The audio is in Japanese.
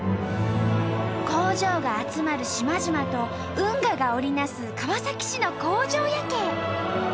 工場が集まる島々と運河が織りなす川崎市の工場夜景。